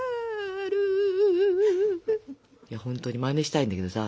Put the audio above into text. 本当にマネしたいんだけどさ